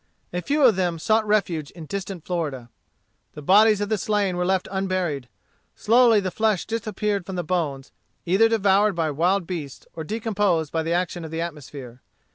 A few of them sought refuge in distant Florida. The bodies of the slain were left unburied. Slowly the flesh disappeared from the bones, either devoured by wild beasts or decomposed by the action of the atmosphere.